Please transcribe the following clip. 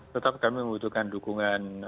tetap kami membutuhkan dukungan